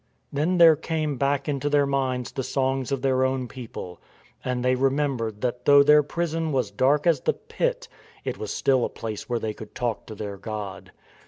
Then there came back into their minds the songs of their own people; and they remembered that though their prison was dark as the pit, it was still a place where they could talk to their God.